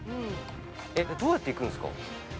えっ、どうやって行くんすか。